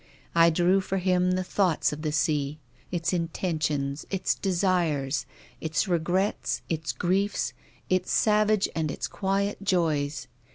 I drew for him the thoughts of the sea, its intentions, its desires, its regrets, its griefs, its savage and its quiet joys.